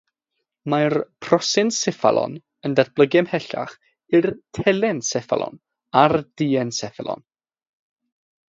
Mae'r prosenseffalon yn datblygu ymhellach i'r telenseffalon a'r dienseffalon.